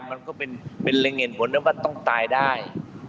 มันก็เป็นเร็งเห็นผลแล้วว่าต้องตายได้